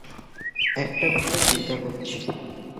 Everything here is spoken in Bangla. একটা বিষয় চিন্তা করছি।